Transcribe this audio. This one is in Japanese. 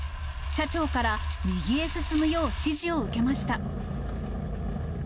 車長から、右へ進むよう指示を受けました。